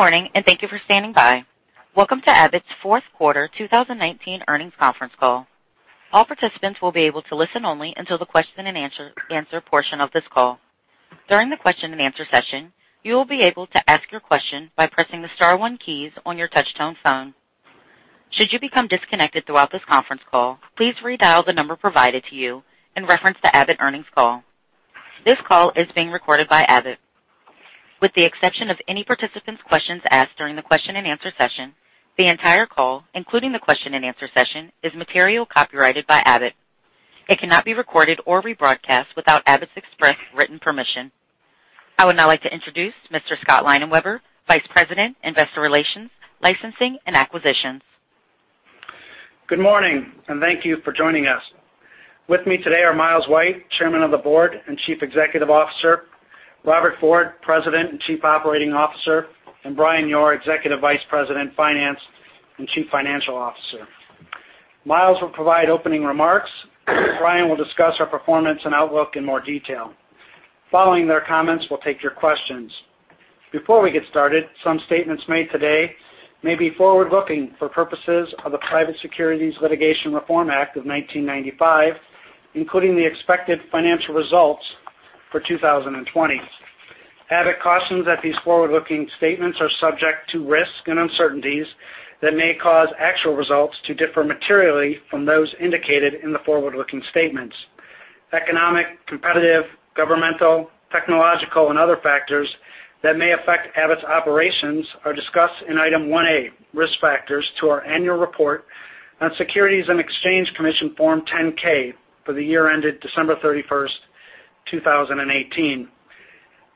Good morning, thank you for standing by. Welcome to Abbott's fourth quarter 2019 earnings conference call. All participants will be able to listen only until the question-and-answer portion of this call. During the question-and-answer session, you will be able to ask your question by pressing the star one keys on your touch-tone phone. Should you become disconnected throughout this conference call, please redial the number provided to you and reference the Abbott earnings call. This call is being recorded by Abbott. With the exception of any participants' questions asked during the question-and-answer session, the entire call, including the question-and-answer session, is material copyrighted by Abbott. It cannot be recorded or rebroadcast without Abbott's express written permission. I would now like to introduce Mr. Scott Leinenweber, Vice President, Investor Relations, Licensing and Acquisitions. Good morning, and thank you for joining us. With me today are Miles White, Chairman of the Board and Chief Executive Officer, Robert Ford, President and Chief Operating Officer, and Brian Yoor, Executive Vice President, Finance and Chief Financial Officer. Miles will provide opening remarks. Brian will discuss our performance and outlook in more detail. Following their comments, we'll take your questions. Before we get started, some statements made today may be forward-looking for purposes of the Private Securities Litigation Reform Act of 1995, including the expected financial results for 2020. Abbott cautions that these forward-looking statements are subject to risks and uncertainties that may cause actual results to differ materially from those indicated in the forward-looking statements. Economic, competitive, governmental, technological, and other factors that may affect Abbott's operations are discussed in Item 1A, Risk Factors, to our annual report on Securities and Exchange Commission Form 10-K for the year ended December 31, 2018.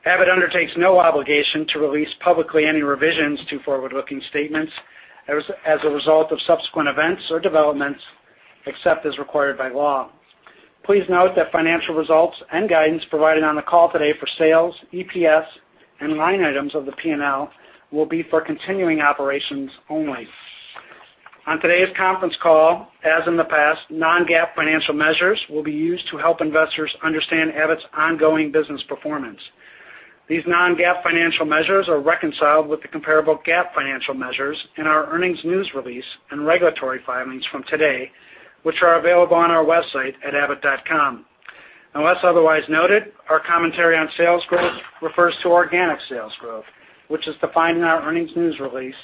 Abbott undertakes no obligation to release publicly any revisions to forward-looking statements as a result of subsequent events or developments, except as required by law. Please note that financial results and guidance provided on the call today for sales, EPS, and line items of the P&L will be for continuing operations only. On today's conference call, as in the past, non-GAAP financial measures will be used to help investors understand Abbott's ongoing business performance. These non-GAAP financial measures are reconciled with the comparable GAAP financial measures in our earnings news release and regulatory filings from today, which are available on our website at abbott.com. Unless otherwise noted, our commentary on sales growth refers to organic sales growth, which is defined in our earnings news release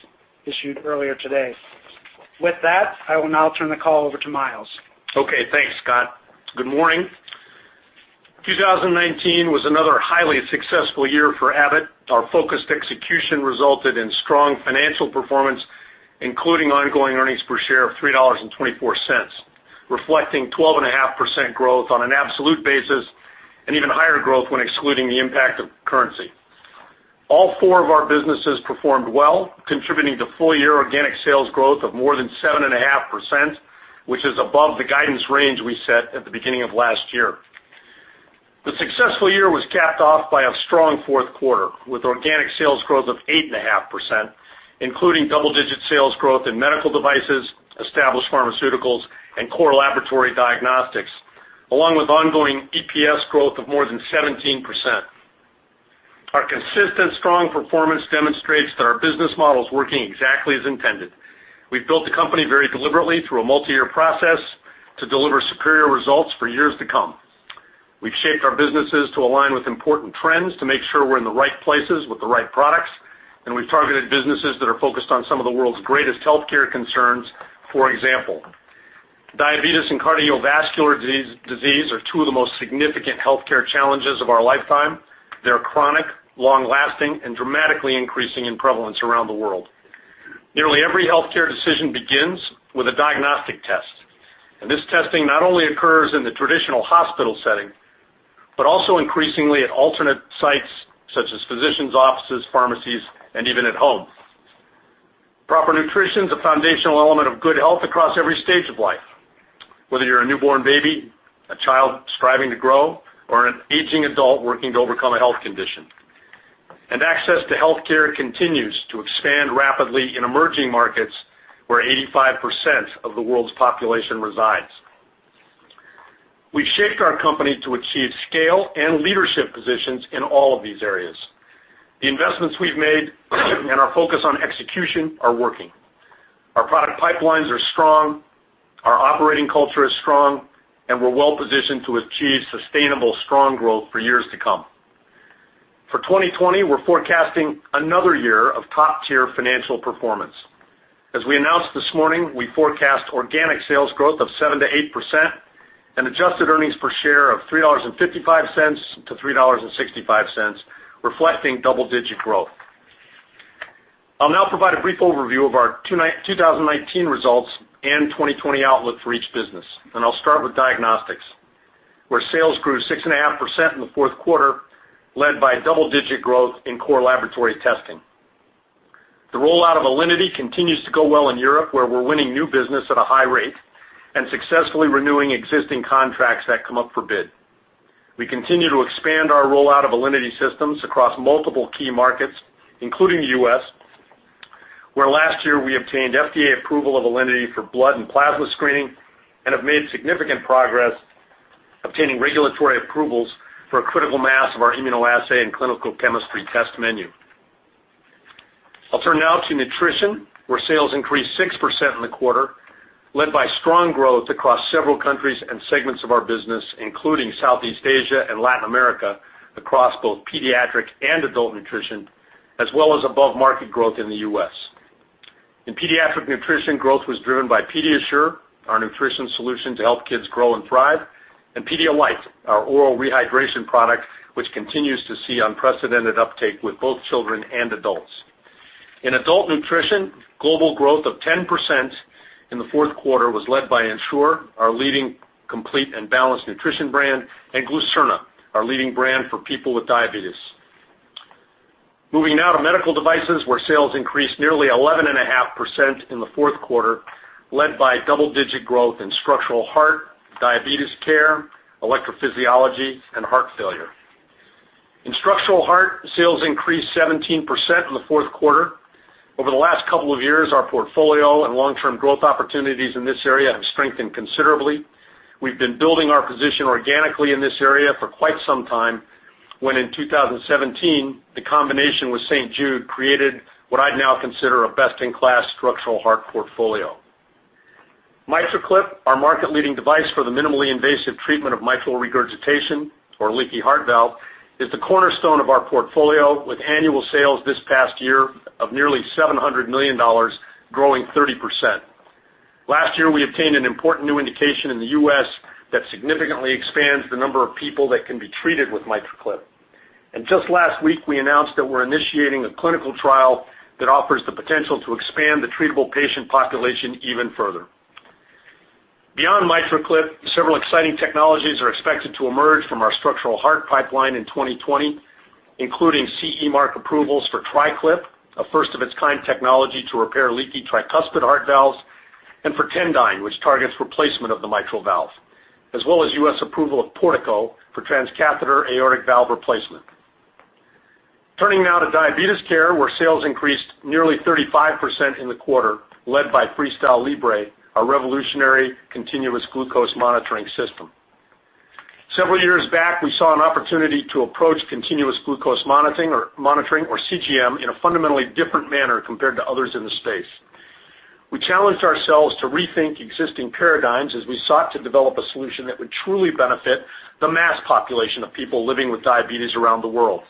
issued earlier today. With that, I will now turn the call over to Miles. Okay, thanks, Scott. Good morning. 2019 was another highly successful year for Abbott. Our focused execution resulted in strong financial performance, including ongoing earnings per share of $3.24, reflecting 12.5% growth on an absolute basis and even higher growth when excluding the impact of currency. All four of our businesses performed well, contributing to full-year organic sales growth of more than 7.5%, which is above the guidance range we set at the beginning of last year. The successful year was capped off by a strong fourth quarter, with organic sales growth of 8.5%, including double-digit sales growth in medical devices, established pharmaceuticals, and core laboratory diagnostics, along with ongoing EPS growth of more than 17%. Our consistent strong performance demonstrates that our business model is working exactly as intended. We've built the company very deliberately through a multi-year process to deliver superior results for years to come. We've shaped our businesses to align with important trends to make sure we're in the right places with the right products. We've targeted businesses that are focused on some of the world's greatest healthcare concerns. For example, diabetes and cardiovascular disease are two of the most significant healthcare challenges of our lifetime. They are chronic, long-lasting, and dramatically increasing in prevalence around the world. Nearly every healthcare decision begins with a diagnostic test, and this testing not only occurs in the traditional hospital setting, but also increasingly at alternate sites such as physicians' offices, pharmacies, and even at home. Proper nutrition is a foundational element of good health across every stage of life, whether you're a newborn baby, a child striving to grow, or an aging adult working to overcome a health condition. Access to healthcare continues to expand rapidly in emerging markets, where 85% of the world's population resides. We've shaped our company to achieve scale and leadership positions in all of these areas. The investments we've made and our focus on execution are working. Our product pipelines are strong, our operating culture is strong, and we're well-positioned to achieve sustainable strong growth for years to come. For 2020, we're forecasting another year of top-tier financial performance. As we announced this morning, we forecast organic sales growth of 7%-8% and adjusted earnings per share of $3.55-$3.65, reflecting double-digit growth. I'll now provide a brief overview of our 2019 results and 2020 outlook for each business. I'll start with diagnostics, where sales grew 6.5% in the fourth quarter, led by double-digit growth in core laboratory testing. The rollout of Alinity continues to go well in Europe, where we're winning new business at a high rate and successfully renewing existing contracts that come up for bid. We continue to expand our rollout of Alinity systems across multiple key markets, including the U.S. Where last year we obtained FDA approval of Alinity for blood and plasma screening and have made significant progress obtaining regulatory approvals for a critical mass of our immunoassay and clinical chemistry test menu. I'll turn now to nutrition, where sales increased 6% in the quarter, led by strong growth across several countries and segments of our business, including Southeast Asia and Latin America, across both pediatric and adult nutrition, as well as above-market growth in the U.S. In pediatric nutrition, growth was driven by PediaSure, our nutrition solution to help kids grow and thrive, and Pedialyte, our oral rehydration product, which continues to see unprecedented uptake with both children and adults. In adult nutrition, global growth of 10% in the fourth quarter was led by Ensure, our leading complete and balanced nutrition brand, and Glucerna, our leading brand for people with diabetes. Moving now to medical devices, where sales increased nearly 11.5% in the fourth quarter, led by double-digit growth in structural heart, diabetes care, electrophysiology, and heart failure. In structural heart, sales increased 17% in the fourth quarter. Over the last couple of years, our portfolio and long-term growth opportunities in this area have strengthened considerably. We've been building our position organically in this area for quite some time, when in 2017, the combination with St. Jude created what I now consider a best-in-class structural heart portfolio. MitraClip, our market-leading device for the minimally invasive treatment of mitral regurgitation or leaky heart valve, is the cornerstone of our portfolio, with annual sales this past year of nearly $700 million, growing 30%. Last year, we obtained an important new indication in the U.S. that significantly expands the number of people that can be treated with MitraClip. Just last week, we announced that we're initiating a clinical trial that offers the potential to expand the treatable patient population even further. Beyond MitraClip, several exciting technologies are expected to emerge from our structural heart pipeline in 2020, including CE mark approvals for TriClip, a first-of-its-kind technology to repair leaky tricuspid heart valves, and for Tendyne, which targets replacement of the mitral valve, as well as U.S. approval of Portico for transcatheter aortic valve replacement. Turning now to diabetes care, where sales increased nearly 35% in the quarter, led by FreeStyle Libre, our revolutionary continuous glucose monitoring system. Several years back, we saw an opportunity to approach continuous glucose monitoring, or CGM, in a fundamentally different manner compared to others in the space. We challenged ourselves to rethink existing paradigms as we sought to develop a solution that would truly benefit the mass population of people living with diabetes around the world.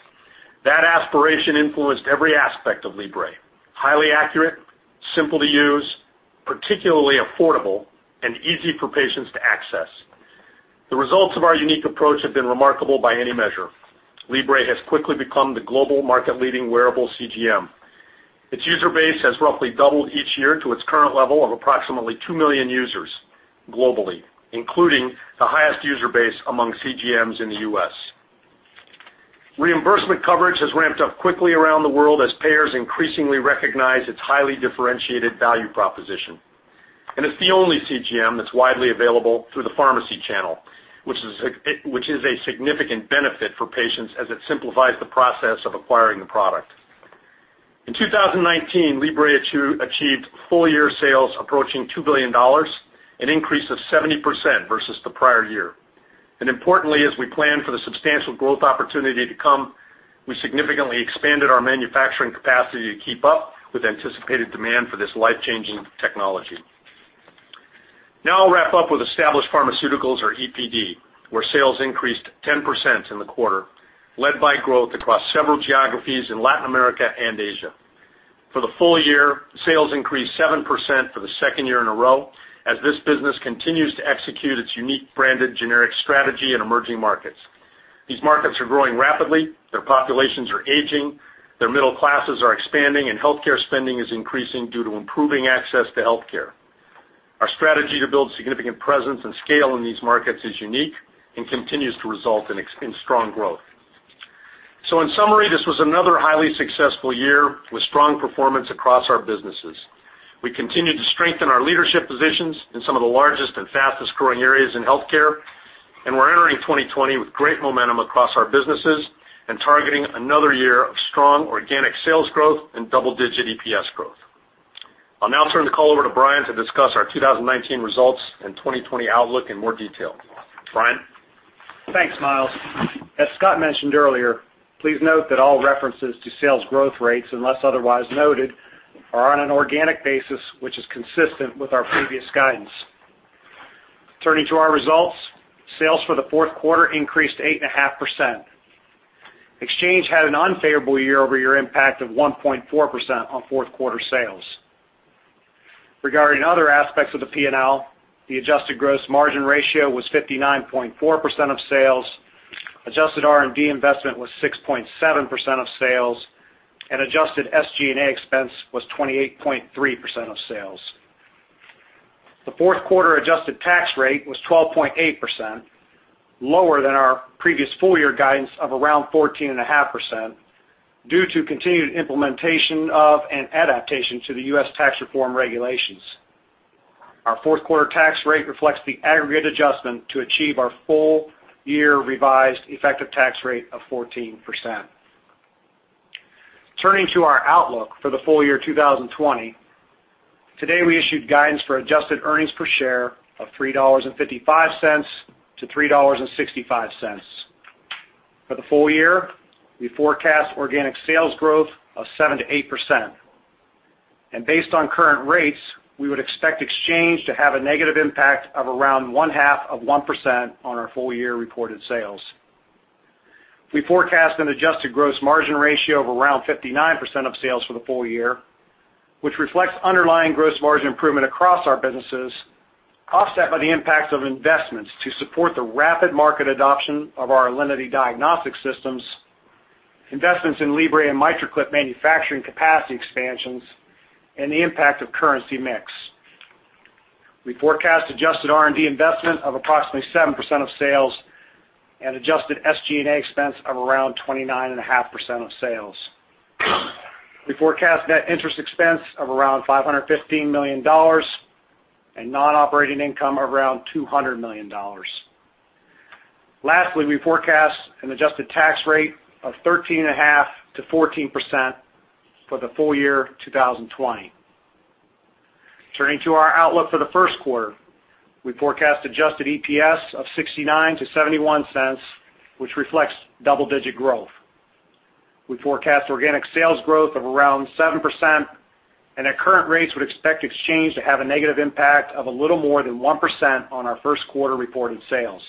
That aspiration influenced every aspect of Libre. Highly accurate, simple to use, particularly affordable, and easy for patients to access. The results of our unique approach have been remarkable by any measure. Libre has quickly become the global market-leading wearable CGM. Its user base has roughly doubled each year to its current level of approximately 2 million users globally, including the highest user base among CGMs in the U.S. Reimbursement coverage has ramped up quickly around the world as payers increasingly recognize its highly differentiated value proposition. It's the only CGM that's widely available through the pharmacy channel, which is a significant benefit for patients as it simplifies the process of acquiring the product. In 2019, Libre achieved full-year sales approaching $2 billion, an increase of 70% versus the prior year. Importantly, as we plan for the substantial growth opportunity to come, we significantly expanded our manufacturing capacity to keep up with anticipated demand for this life-changing technology. Now I'll wrap up with established pharmaceuticals or EPD, where sales increased 10% in the quarter, led by growth across several geographies in Latin America and Asia. For the full-year, sales increased 7% for the second year in a row, as this business continues to execute its unique branded generic strategy in emerging markets. These markets are growing rapidly, their populations are aging, their middle classes are expanding, and healthcare spending is increasing due to improving access to healthcare. Our strategy to build significant presence and scale in these markets is unique and continues to result in strong growth. In summary, this was another highly successful year with strong performance across our businesses. We continue to strengthen our leadership positions in some of the largest and fastest-growing areas in healthcare, and we're entering 2020 with great momentum across our businesses and targeting another year of strong organic sales growth and double-digit EPS growth. I'll now turn the call over to Brian to discuss our 2019 results and 2020 outlook in more detail. Brian? Thanks, Miles. As Scott mentioned earlier, please note that all references to sales growth rates, unless otherwise noted, are on an organic basis, which is consistent with our previous guidance. Turning to our results, sales for the fourth quarter increased 8.5%. Exchange had an unfavorable year-over-year impact of 1.4% on fourth-quarter sales. Regarding other aspects of the P&L, the adjusted gross margin ratio was 59.4% of sales, adjusted R&D investment was 6.7% of sales, and adjusted SG&A expense was 28.3% of sales. The fourth-quarter adjusted tax rate was 12.8%, lower than our previous full-year guidance of around 14.5% due to continued implementation of and adaptation to the U.S. tax reform regulations. Our fourth quarter tax rate reflects the aggregate adjustment to achieve our full-year revised effective tax rate of 14%. Turning to our outlook for the full-year 2020. Today, we issued guidance for adjusted earnings per share of $3.55-$3.65. For the full-year, we forecast organic sales growth of 7%-8%. Based on current rates, we would expect exchange to have a negative impact of around one-half of 1% on our full-year reported sales. We forecast an adjusted gross margin ratio of around 59% of sales for the full-year, which reflects underlying gross margin improvement across our businesses, offset by the impacts of investments to support the rapid market adoption of our Alinity Diagnostic systems, investments in Libre and MitraClip manufacturing capacity expansions, and the impact of currency mix. We forecast adjusted R&D investment of approximately 7% of sales and adjusted SG&A expense of around 29.5% of sales. We forecast net interest expense of around $515 million and non-operating income of around $200 million. Lastly, we forecast an adjusted tax rate of 13.5%-14% for the full-year 2020. Turning to our outlook for the first quarter. We forecast adjusted EPS of $0.69-$0.71, which reflects double-digit growth. We forecast organic sales growth of around 7%. At current rates, would expect exchange to have a negative impact of a little more than 1% on our first quarter reported sales.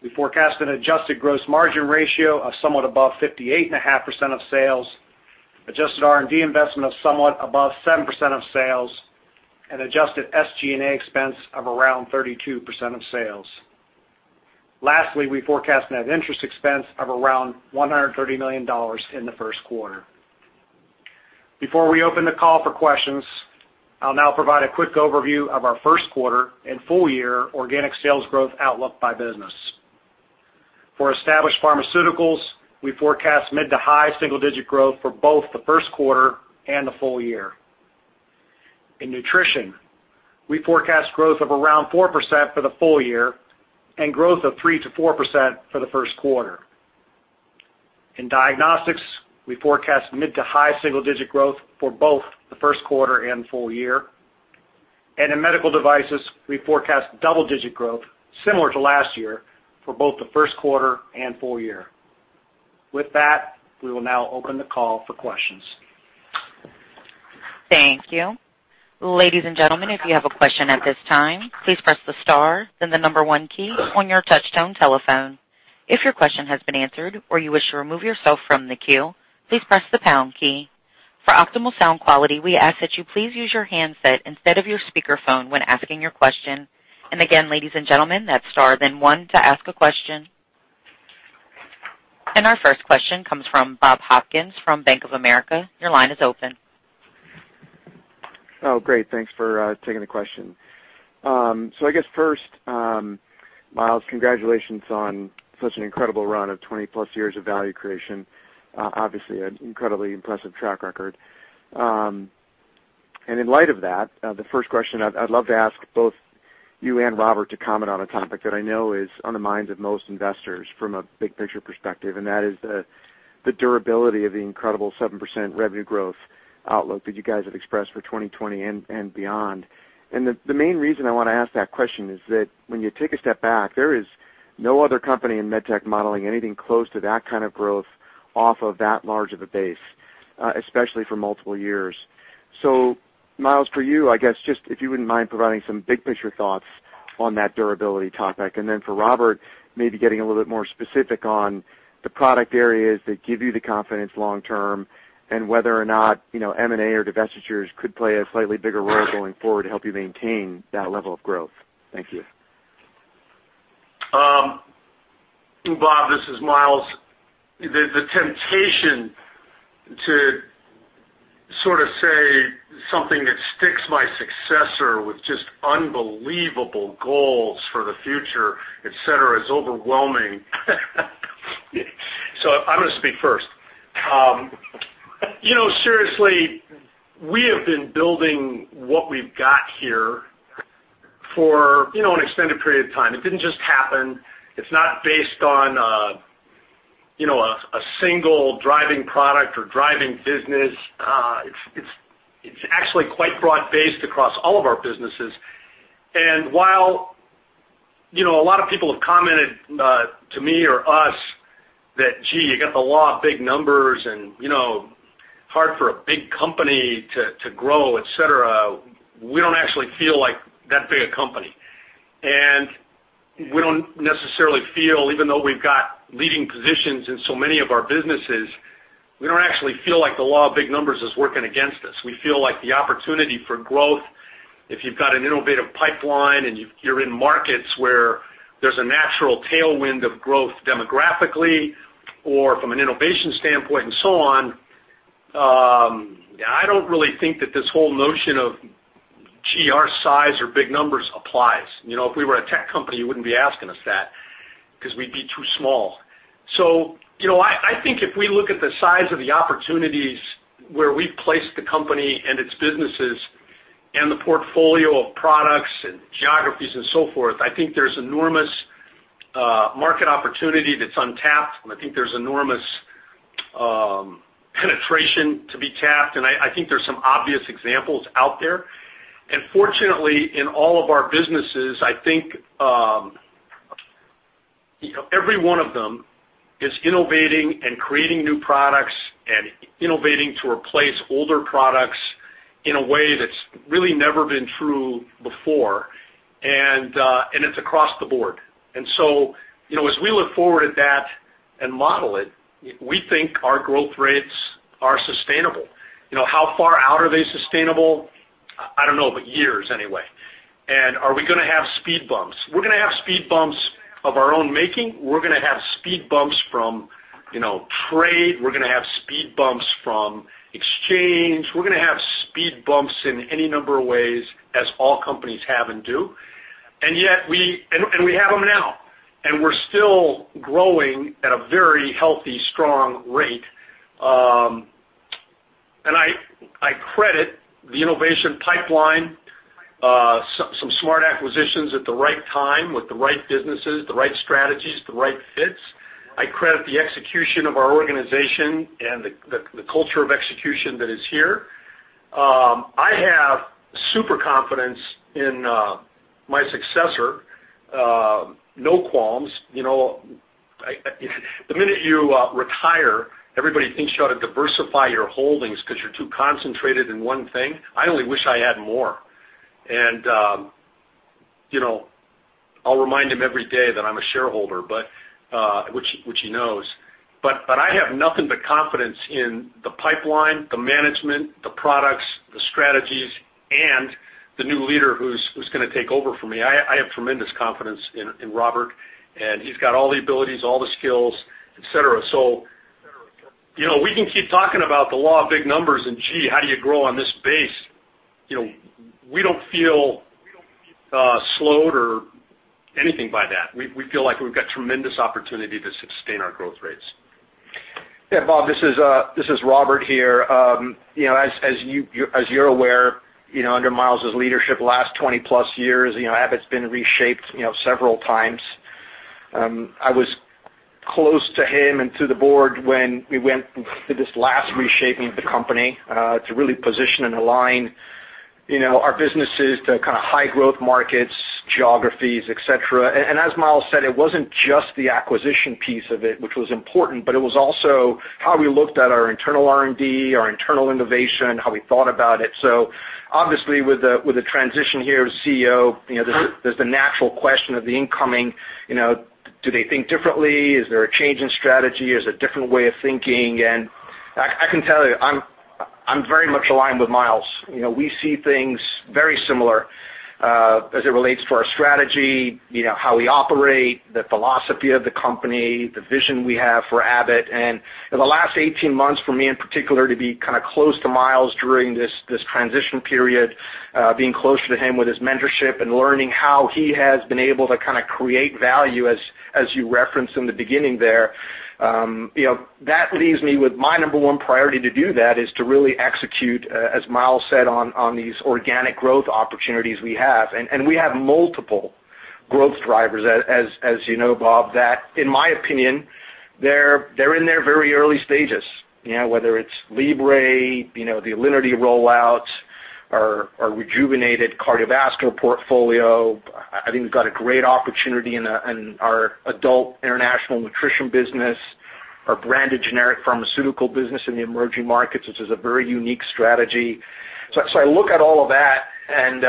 We forecast an adjusted gross margin ratio of somewhat above 58.5% of sales, adjusted R&D investment of somewhat above 7% of sales, and adjusted SG&A expense of around 32% of sales. Lastly, we forecast net interest expense of around $130 million in the first quarter. Before we open the call for questions, I'll now provide a quick overview of our first quarter and full-year organic sales growth outlook by business. For established pharmaceuticals, we forecast mid to high single-digit growth for both the first quarter and the full-year. In nutrition, we forecast growth of around 4% for the full-year and growth of 3% to 4% for the first quarter. In diagnostics, we forecast mid to high single-digit growth for both the first quarter and full-year. In medical devices, we forecast double-digit growth similar to last year for both the first quarter and full-year. With that, we will now open the call for questions. Thank you. Ladies and gentlemen, if you have a question at this time, please press the star, then the number one key on your touchtone telephone. If your question has been answered or you wish to remove yourself from the queue, please press the pound key. For optimal sound quality, we ask that you please use your handset instead of your speakerphone when asking your question. Again, ladies and gentlemen, that's star then one to ask a question. Our first question comes from Bob Hopkins from Bank of America. Your line is open. Oh, great, thanks for taking the question. I guess first, Miles, congratulations on such an incredible run of 20+ years of value creation. Obviously, an incredibly impressive track record. In light of that, the first question I'd love to ask both you and Robert to comment on a topic that I know is on the minds of most investors from a big-picture perspective, and that is the durability of the incredible 7% revenue growth outlook that you guys have expressed for 2020 and beyond. The main reason I want to ask that question is that when you take a step back, there is no other company in med tech modeling anything close to that kind of growth off of that large of a base, especially for multiple years. Miles, for you, I guess just if you wouldn't mind providing some big-picture thoughts on that durability topic. For Robert, maybe getting a little bit more specific on the product areas that give you the confidence long-term and whether or not M&A or divestitures could play a slightly bigger role going forward to help you maintain that level of growth. Thank you. Bob, this is Miles. The temptation to sort of say something that sticks my successor with just unbelievable goals for the future, et cetera, is overwhelming. I'm going to speak first. Seriously, we have been building what we've got here for an extended period of time. It didn't just happen. It's not based on a single driving product or driving business. It's actually quite broad-based across all of our businesses. While a lot of people have commented to me or us that, Gee, you got the law of big numbers and hard for a big company to grow, et cetera, we don't actually feel like that big a company. We don't necessarily feel, even though we've got leading positions in so many of our businesses, we don't actually feel like the law of big numbers is working against us. We feel like the opportunity for growth, if you've got an innovative pipeline and you're in markets where there's a natural tailwind of growth demographically or from an innovation standpoint and so on, I don't really think that this whole notion of GR size or big numbers applies. If we were a tech company, you wouldn't be asking us that. Because we'd be too small. I think if we look at the size of the opportunities where we've placed the company and its businesses, and the portfolio of products and geographies and so forth, I think there's enormous market opportunity that's untapped, and I think there's enormous penetration to be tapped. I think there's some obvious examples out there. Fortunately, in all of our businesses, I think every one of them is innovating and creating new products and innovating to replace older products in a way that's really never been true before, and it's across the board. As we look forward at that and model it, we think our growth rates are sustainable. How far out are they sustainable? I don't know, but years anyway. Are we going to have speed bumps? We're going to have speed bumps of our own making. We're going to have speed bumps from trade, we're going to have speed bumps from exchange. We're going to have speed bumps in any number of ways, as all companies have and do. We have them now, and we're still growing at a very healthy, strong rate. I credit the innovation pipeline, some smart acquisitions at the right time with the right businesses, the right strategies, the right fits. I credit the execution of our organization and the culture of execution that is here. I have super confidence in my successor, no qualms. The minute you retire, everybody thinks you ought to diversify your holdings because you're too concentrated in one thing. I only wish I had more. I'll remind him every day that I'm a shareholder, which he knows. I have nothing but confidence in the pipeline, the management, the products, the strategies, and the new leader who's going to take over for me. I have tremendous confidence in Robert, and he's got all the abilities, all the skills, et cetera. We can keep talking about the law of big numbers and, gee, how do you grow on this base? We don't feel slowed or anything by that. We feel like we've got tremendous opportunity to sustain our growth rates. Bob, this is Robert here. As you're aware, under Miles's leadership the last 20+ years, Abbott's been reshaped several times. I was close to him and to the board when we went through this last reshaping of the company to really position and align our businesses to kind of high growth markets, geographies, et cetera. As Miles said, it wasn't just the acquisition piece of it, which was important, but it was also how we looked at our internal R&D, our internal innovation, how we thought about it. Obviously, with the transition here as CEO, there's the natural question of the incoming, do they think differently? Is there a change in strategy? Is there a different way of thinking? I can tell you, I'm very much aligned with Miles. We see things very similar as it relates to our strategy, how we operate, the philosophy of the company, the vision we have for Abbott. The last 18 months for me, in particular, to be kind of close to Miles during this transition period, being closer to him with his mentorship and learning how he has been able to kind of create value, as you referenced in the beginning there, that leaves me with my number one priority to do that is to really execute, as Miles said, on these organic growth opportunities we have. We have multiple growth drivers, as you know, Bob, that in my opinion, they're in their very early stages. Whether it's Libre, the Alinity rollout, our rejuvenated cardiovascular portfolio. I think we've got a great opportunity in our adult international nutrition business, our branded generic pharmaceutical business in the emerging markets, which is a very unique strategy. I look at all of that, and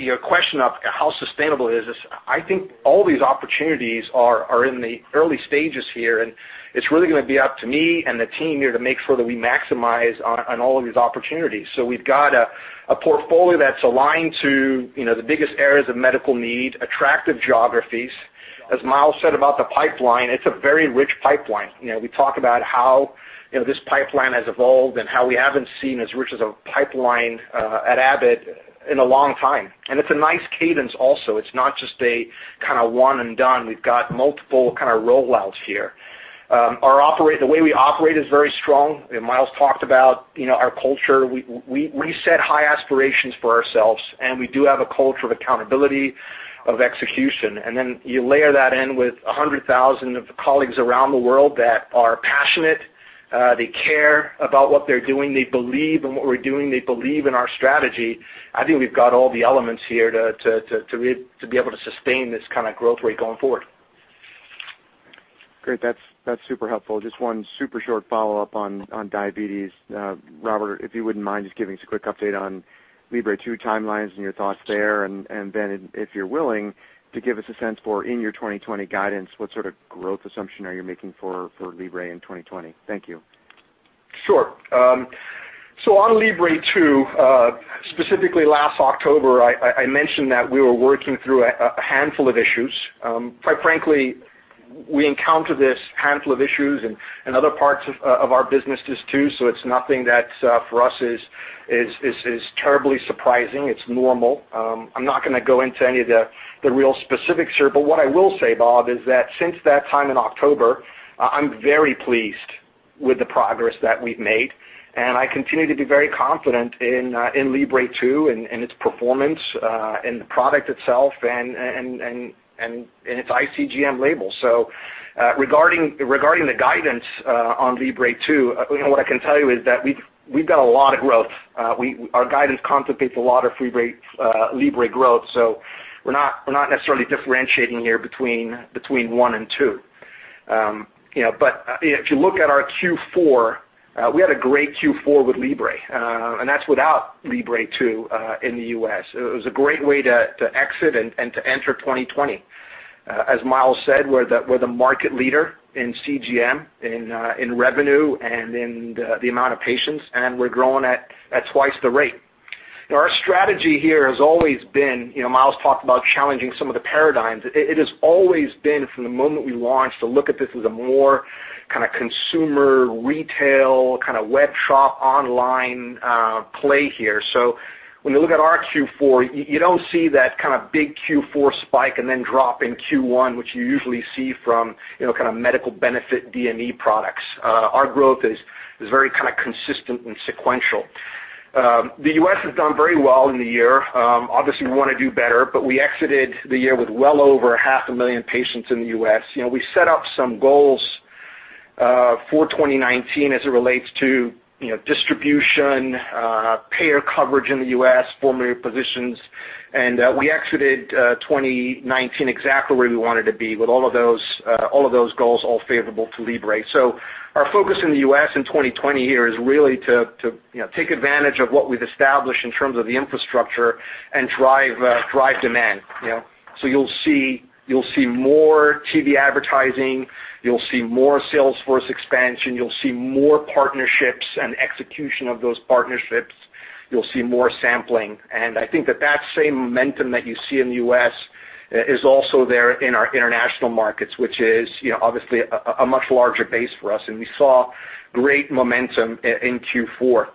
your question of how sustainable it is, I think all these opportunities are in the early stages here, and it's really going to be up to me and the team here to make sure that we maximize on all of these opportunities. We've got a portfolio that's aligned to the biggest areas of medical need, attractive geographies. As Miles said about the pipeline, it's a very rich pipeline. We talk about how this pipeline has evolved and how we haven't seen as rich as a pipeline at Abbott in a long time. It's a nice cadence also. It's not just a kind of one and done. We've got multiple kind of rollouts here. The way we operate is very strong, and Miles talked about our culture. We set high aspirations for ourselves, and we do have a culture of accountability, of execution. You layer that in with 100,000 of the colleagues around the world that are passionate, they care about what they're doing, they believe in what we're doing, they believe in our strategy. I think we've got all the elements here to be able to sustain this kind of growth rate going forward. Great. That's super helpful. Just one super short follow-up on diabetes. Robert, if you wouldn't mind just giving us a quick update on Libre 2 timelines and your thoughts there, and then if you're willing to give us a sense for in your 2020 guidance, what sort of growth assumption are you making for Libre in 2020? Thank you. Sure. On Libre 2, specifically last October, I mentioned that we were working through a handful of issues. Quite frankly, we encounter this handful of issues in other parts of our businesses too. It's nothing that for us is terribly surprising. It's normal. I'm not going to go into any of the real specifics here, but what I will say, Bob, is that since that time in October, I'm very pleased with the progress that we've made. I continue to be very confident in Libre 2 and its performance, and the product itself and its iCGM label. Regarding the guidance on Libre 2, what I can tell you is that we've got a lot of growth. Our guidance contemplates a lot of Libre growth. We're not necessarily differentiating here between one and two. If you look at our Q4, we had a great Q4 with Libre, and that's without Libre 2 in the U.S. It was a great way to exit and to enter 2020. As Miles said, we're the market leader in CGM, in revenue and in the amount of patients, and we're growing at twice the rate. Our strategy here has always been, Miles talked about challenging some of the paradigms. It has always been from the moment we launched to look at this as a more kind of consumer, retail, kind of web shop online play here. When you look at our Q4, you don't see that kind of big Q4 spike and then drop in Q1, which you usually see from kind of medical benefit DME products. Our growth is very kind of consistent and sequential. The U.S. has done very well in the year. Obviously, we want to do better. We exited the year with well over half a million patients in the U.S. We set up some goals for 2019 as it relates to distribution, payer coverage in the U.S., formulary positions. We exited 2019 exactly where we wanted to be with all of those goals all favorable to Libre. Our focus in the U.S. in 2020 here is really to take advantage of what we've established in terms of the infrastructure and drive demand. You'll see more TV advertising, you'll see more sales force expansion, you'll see more partnerships and execution of those partnerships. You'll see more sampling. I think that same momentum that you see in the U.S. is also there in our international markets, which is obviously a much larger base for us. We saw great momentum in Q4.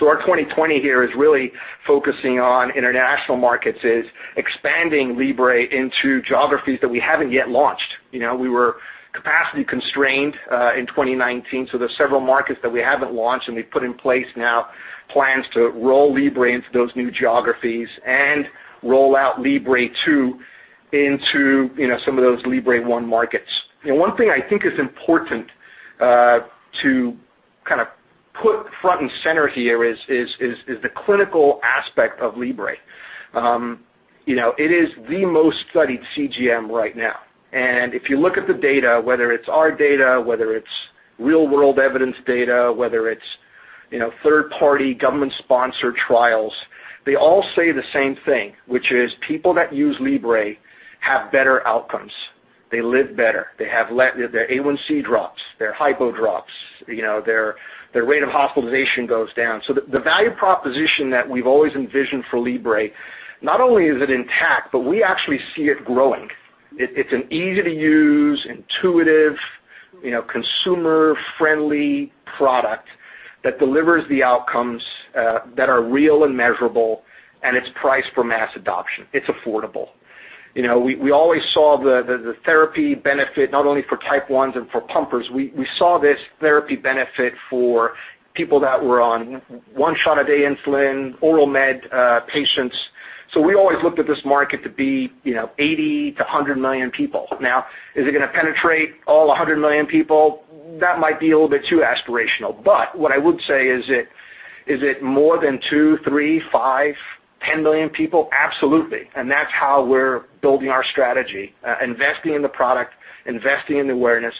Our 2020 here is really focusing on international markets, is expanding Libre into geographies that we haven't yet launched. We were capacity constrained in 2019, there's several markets that we haven't launched, and we've put in place now plans to roll Libre into those new geographies and roll out Libre 2 into some of those Libre 1 markets. One thing I think is important to kind of put front and center here is the clinical aspect of Libre. It is the most studied CGM right now. If you look at the data, whether it's our data, whether it's real-world evidence data, whether it's third-party government-sponsored trials, they all say the same thing, which is people that use Libre have better outcomes. They live better. Their A1C drops. Their hypo drops. Their rate of hospitalization goes down. The value proposition that we've always envisioned for Libre, not only is it intact, but we actually see it growing. It's an easy-to-use, intuitive, consumer-friendly product that delivers the outcomes that are real and measurable, and it's priced for mass adoption. It's affordable. We always saw the therapy benefit not only for type 1s and for pumpers. We saw this therapy benefit for people that were on one shot a day insulin, oral med patients. We always looked at this market to be 80 million-100 million people. Now, is it going to penetrate all 100 million people? That might be a little bit too aspirational. What I would say is it more than two, three, five, 10 million people? Absolutely. That's how we're building our strategy, investing in the product, investing in the awareness,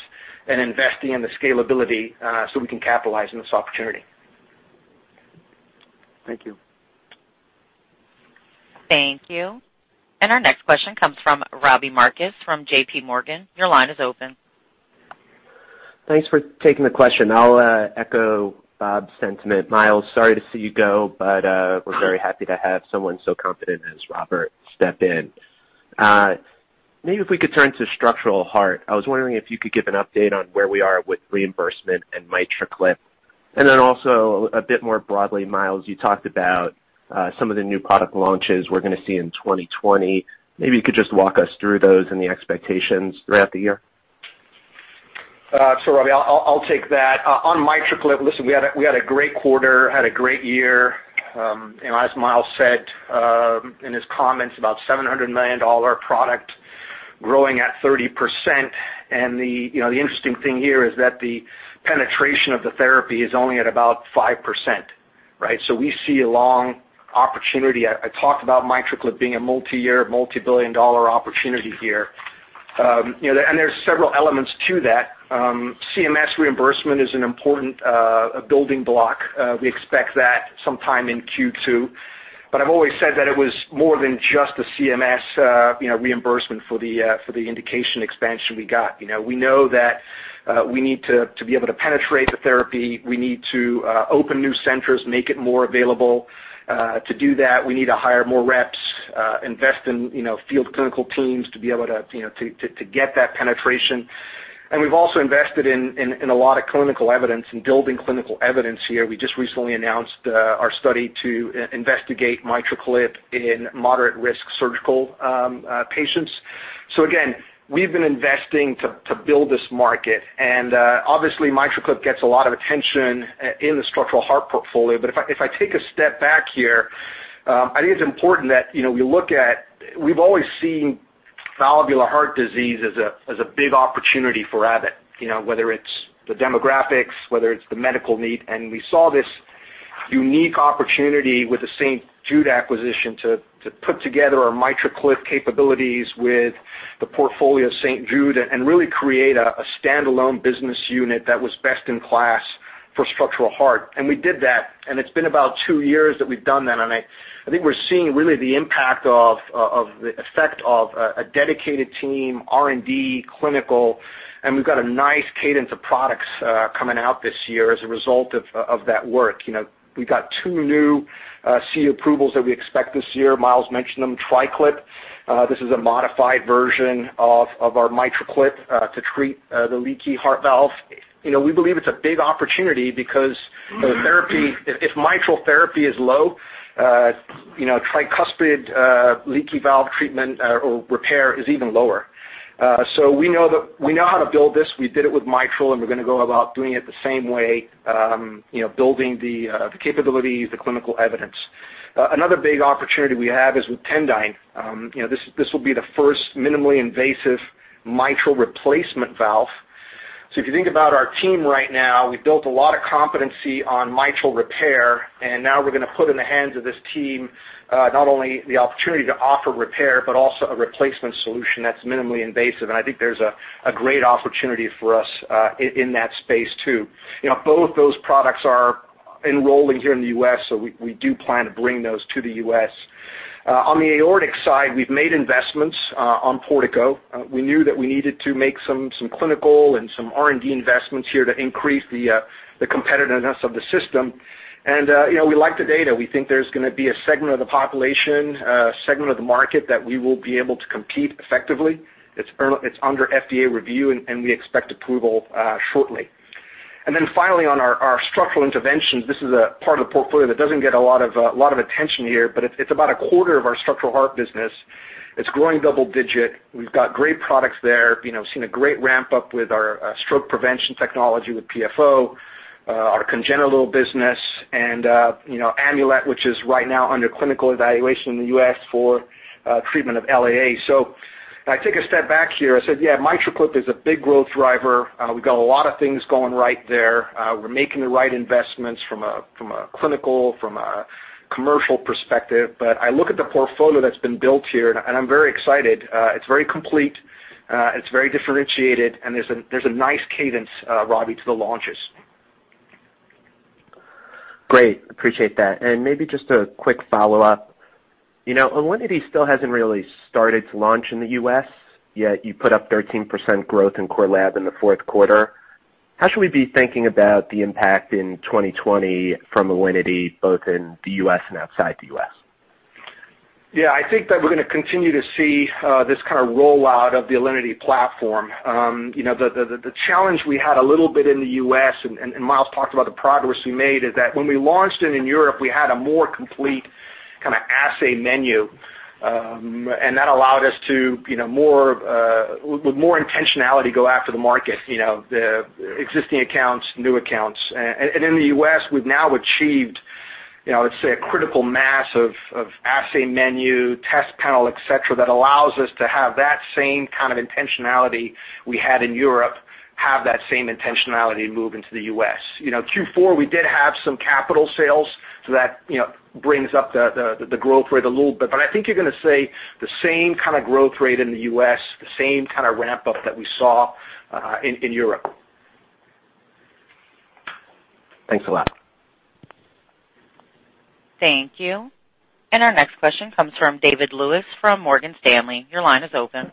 and investing in the scalability so we can capitalize on this opportunity. Thank you. Thank you. Our next question comes from Robbie Marcus from JPMorgan. Your line is open. Thanks for taking the question. I'll echo Bob's sentiment. Miles, sorry to see you go, but we're very happy to have someone so competent as Robert step in. Maybe if we could turn to structural heart. I was wondering if you could give an update on where we are with reimbursement and MitraClip. Also a bit more broadly, Miles, you talked about some of the new product launches we're going to see in 2020. Maybe you could just walk us through those and the expectations throughout the year. Robbie, I'll take that. On MitraClip, listen, we had a great quarter, had a great year. As Miles said in his comments, about $700 million product growing at 30%. The interesting thing here is that the penetration of the therapy is only at about 5%, right? We see a long opportunity. I talked about MitraClip being a multi-year, multi-billion dollar opportunity here. There's several elements to that. CMS reimbursement is an important building block. We expect that sometime in Q2. I've always said that it was more than just the CMS reimbursement for the indication expansion we got. We need to be able to penetrate the therapy. We need to open new centers, make it more available. To do that, we need to hire more reps, invest in field clinical teams to be able to get that penetration. We've also invested in a lot of clinical evidence, in building clinical evidence here. We just recently announced our study to investigate MitraClip in moderate risk surgical patients. Again, we've been investing to build this market, and obviously, MitraClip gets a lot of attention in the structural heart portfolio. If I take a step back here, I think it's important that we've always seen valvular heart disease as a big opportunity for Abbott, whether it's the demographics, whether it's the medical need. We saw this unique opportunity with the St. Jude acquisition to put together our MitraClip capabilities with the portfolio of St. Jude and really create a standalone business unit that was best in class for structural heart. We did that, and it's been about two years that we've done that. I think we're seeing really the impact of, the effect of a dedicated team, R&D, clinical, we've got a nice cadence of products coming out this year as a result of that work. We've got two new CE approvals that we expect this year. Miles mentioned them. TriClip, this is a modified version of our MitraClip to treat the leaky heart valve. We believe it's a big opportunity because if mitral therapy is low, tricuspid leaky valve treatment or repair is even lower. We know how to build this. We did it with mitral, and we're going to go about doing it the same way, building the capabilities, the clinical evidence. Another big opportunity we have is with Tendyne. This will be the first minimally invasive mitral replacement valve. If you think about our team right now, we've built a lot of competency on mitral repair, and now we're going to put in the hands of this team, not only the opportunity to offer repair, but also a replacement solution that's minimally invasive. I think there's a great opportunity for us in that space, too. Both those products are enrolling here in the U.S. We do plan to bring those to the U.S. On the aortic side, we've made investments on Portico. We knew that we needed to make some clinical and some R&D investments here to increase the competitiveness of the system. We like the data. We think there's going to be a segment of the population, a segment of the market that we will be able to compete effectively. It's under FDA review. We expect approval shortly. Finally, on our structural interventions, this is a part of the portfolio that doesn't get a lot of attention here, but it's about a quarter of our structural heart business. It's growing double digit. We've got great products there. We've seen a great ramp-up with our stroke prevention technology with PFO, our congenital business, and Amulet, which is right now under clinical evaluation in the U.S. for treatment of LAA. If I take a step back here, I said, yeah, MitraClip is a big growth driver. We've got a lot of things going right there. We're making the right investments from a clinical, from a commercial perspective. I look at the portfolio that's been built here, and I'm very excited. It's very complete, it's very differentiated, and there's a nice cadence, Robbie, to the launches. Great. Appreciate that. Maybe just a quick follow-up. Alinity still hasn't really started to launch in the U.S., yet you put up 13% growth in core lab in the fourth quarter. How should we be thinking about the impact in 2020 from Alinity, both in the U.S. and outside the U.S.? Yeah, I think that we're going to continue to see this kind of rollout of the Alinity platform. The challenge we had a little bit in the U.S., and Miles talked about the progress we made, is that when we launched it in Europe, we had a more complete kind of assay menu, and that allowed us to, with more intentionality, go after the market, the existing accounts, new accounts. In the U.S., we've now achieved, let's say, a critical mass of assay menu, test panel, et cetera, that allows us to have that same kind of intentionality we had in Europe, have that same intentionality to move into the U.S. Q4, we did have some capital sales, so that brings up the growth rate a little bit. I think you're going to see the same kind of growth rate in the U.S., the same kind of ramp-up that we saw in Europe. Thanks a lot. Thank you. Our next question comes from David Lewis from Morgan Stanley. Your line is open.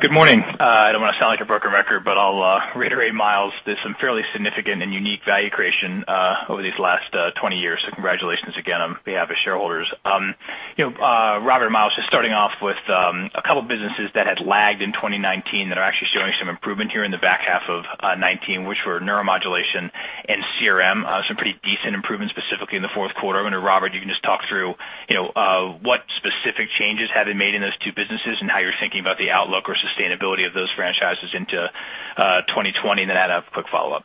Good morning. I don't want to sound like a broken record, but I'll reiterate Miles. There's some fairly significant and unique value creation over these last 20 years. Congratulations again on behalf of shareholders. Robert and Miles, just starting off with a couple of businesses that had lagged in 2019 that are actually showing some improvement here in the back half of 2019, which were neuromodulation and CRM. Some pretty decent improvements, specifically in the fourth quarter. I wonder, Robert, you can just talk through what specific changes have been made in those two businesses and how you're thinking about the outlook or sustainability of those franchises into 2020, and then I'd have a quick follow-up.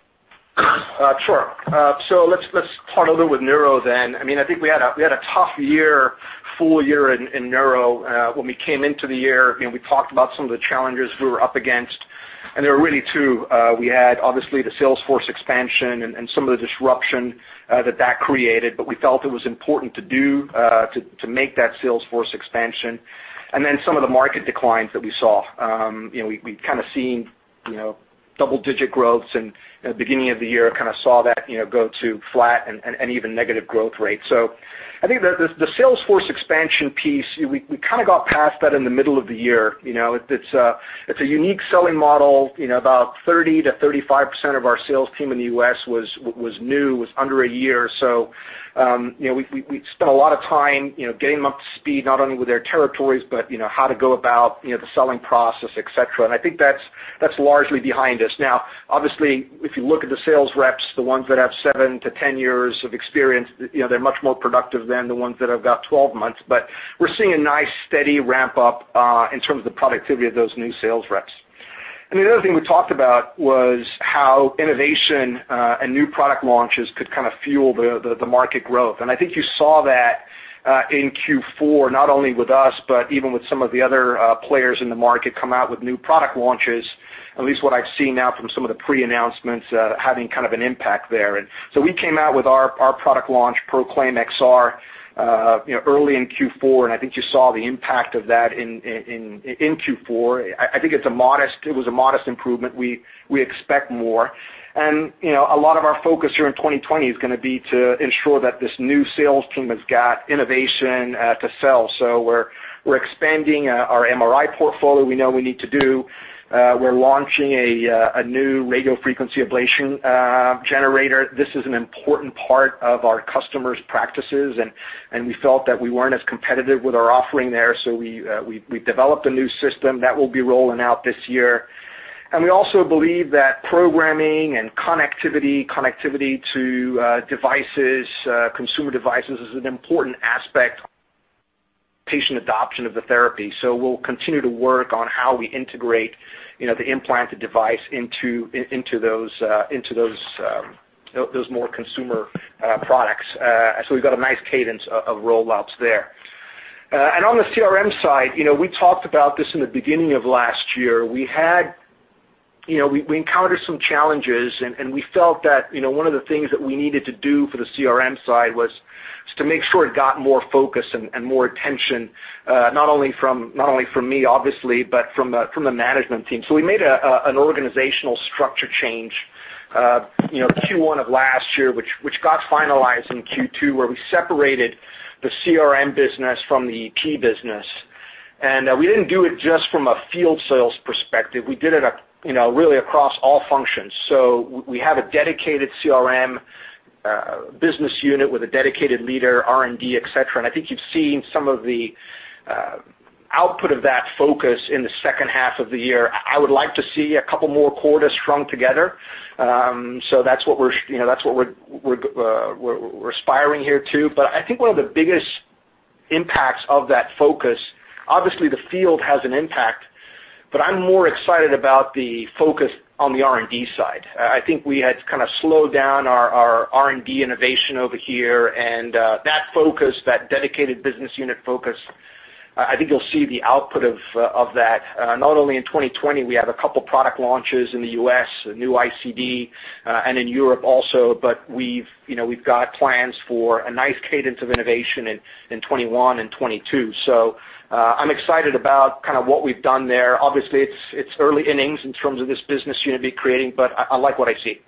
Sure. Let's start a little with neuro then. I think we had a tough year, full-year in neuro. When we came into the year, we talked about some of the challenges we were up against, there were really two. We had, obviously, the sales force expansion and some of the disruption that that created, but we felt it was important to do to make that sales force expansion. Then some of the market declines that we saw. We'd kind of seen double-digit growths and beginning of the year kind of saw that go to flat and even negative growth rates. I think the sales force expansion piece, we kind of got past that in the middle of the year. It's a unique selling model. About 30%-35% of our sales team in the U.S. was new, was under a year or so. We've spent a lot of time getting them up to speed, not only with their territories, but how to go about the selling process, et cetera. I think that's largely behind us. Now, obviously, if you look at the sales reps, the ones that have 7-10 years of experience, they're much more productive than the ones that have got 12 months. We're seeing a nice steady ramp-up in terms of the productivity of those new sales reps. The other thing we talked about was how innovation and new product launches could kind of fuel the market growth. I think you saw that in Q4, not only with us, but even with some of the other players in the market come out with new product launches, at least what I've seen now from some of the pre-announcements, having kind of an impact there. We came out with our product launch, Proclaim XR, early in Q4, and I think you saw the impact of that in Q4. I think it was a modest improvement. We expect more. A lot of our focus here in 2020 is going to be to ensure that this new sales team has got innovation to sell. We're expanding our MRI portfolio. We know we need to do. We're launching a new radiofrequency ablation generator. This is an important part of our customers' practices, and we felt that we weren't as competitive with our offering there, so we developed a new system that will be rolling out this year. We also believe that programming and connectivity to consumer devices is an important aspect of patient adoption of the therapy. We'll continue to work on how we integrate the implanted device into those more consumer products. We've got a nice cadence of roll-outs there. On the CRM side, we talked about this in the beginning of last year. We encountered some challenges, and we felt that one of the things that we needed to do for the CRM side was to make sure it got more focus and more attention, not only from me obviously, but from the management team. We made an organizational structure change Q1 of last year, which got finalized in Q2, where we separated the CRM business from the EP business. We didn't do it just from a field sales perspective. We did it really across all functions. We have a dedicated CRM business unit with a dedicated leader, R&D, et cetera. I think you've seen some of the output of that focus in the second half of the year. I would like to see a couple more quarters strung together. That's what we're aspiring here to. I think one of the biggest impacts of that focus, obviously the field has an impact, but I'm more excited about the focus on the R&D side. I think we had kind of slowed down our R&D innovation over here, and that dedicated business unit focus, I think you'll see the output of that. Not only in 2020, we have a couple product launches in the U.S., a new ICD, and in Europe also, but we've got plans for a nice cadence of innovation in 2021 and 2022. I'm excited about kind of what we've done there. Obviously, it's early innings in terms of this business unit we're creating, but I like what I see.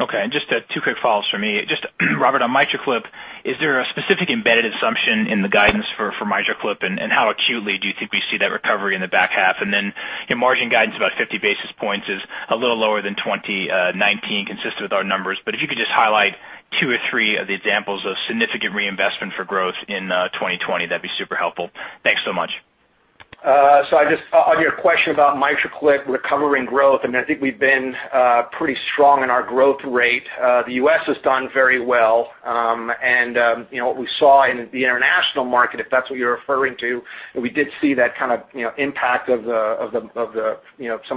Okay. Just two quick follows for me. Just, Robert, on MitraClip, is there a specific embedded assumption in the guidance for MitraClip, and how acutely do you think we see that recovery in the back half? Then your margin guidance, about 50 basis points, is a little lower than 2019, consistent with our numbers. If you could just highlight two or three of the examples of significant reinvestment for growth in 2020, that'd be super helpful. Thanks so much. Just on your question about MitraClip recovery and growth, I think we've been pretty strong in our growth rate. The U.S. has done very well. What we saw in the international market, if that's what you're referring to, we did see that kind of impact of some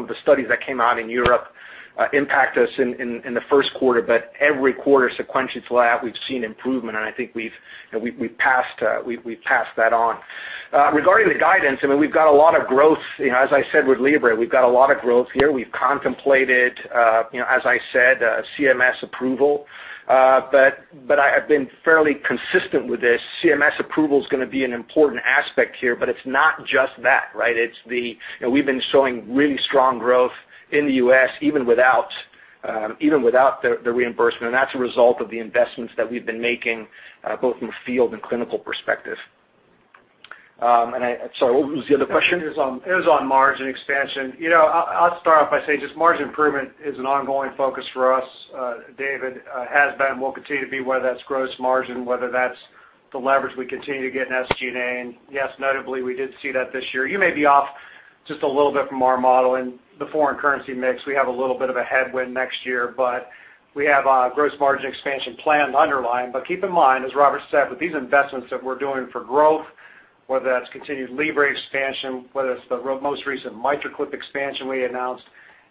of the studies that came out in Europe impact us in the first quarter, every quarter sequentially we've seen improvement, I think we've passed that on. Regarding the guidance, we've got a lot of growth. As I said with Libre, we've got a lot of growth here. We've contemplated, as I said, CMS approval. I have been fairly consistent with this. CMS approval is going to be an important aspect here, it's not just that, right? We've been showing really strong growth in the U.S. even without the reimbursement, and that's a result of the investments that we've been making both from a field and clinical perspective. What was the other question? It was on margin expansion. I'll start off by saying just margin improvement is an ongoing focus for us, David. Has been, will continue to be, whether that's gross margin, whether that's the leverage we continue to get in SG&A. Yes, notably, we did see that this year. You may be off just a little bit from our model in the foreign currency mix. We have a little bit of a headwind next year, but we have a gross margin expansion plan underlying. Keep in mind, as Robert said, with these investments that we're doing for growth, whether that's continued Libre expansion, whether it's the most recent MitraClip expansion we announced,